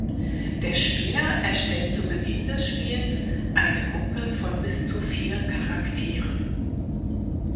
Der Spieler erstellt zu Beginn des Spiels eine Gruppe von bis zu vier Charakteren.